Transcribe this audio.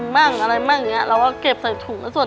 เอามาให้แบ่งให้แบ่งกิน